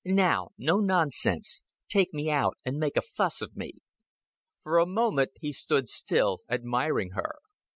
"Now, no nonsense. Take me out, and make a fuss of me." For a moment he stood still, admiring her.